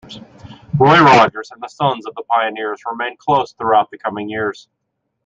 Roy Rogers and the Sons of the Pioneers remained close throughout the coming years.